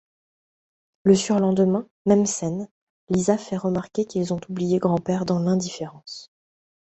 Le surlendemain, même scène, Lisa fait remarquer qu'ils ont oublié Grand-père dans l'indifférence.